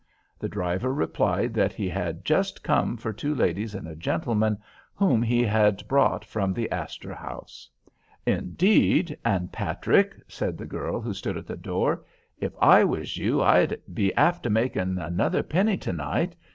The driver replied that he had just come for two ladies and a gentleman whom he had brought from the Astor House. "Indeed and Patrick," said the girl who stood at the door, "if I was you I'd be after making another penny to night.